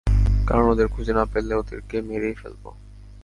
কারণ ওদের খুঁজে না পেলে, ওদেরকে মেরেই ফেলব।